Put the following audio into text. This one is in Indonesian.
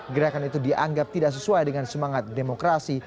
gerakan itu dianggap tidak sesuai dengan semangat demokrasi